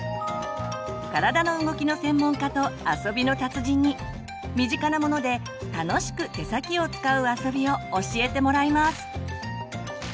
体の動きの専門家と遊びの達人に身近なもので楽しく手先を使う遊びを教えてもらいます！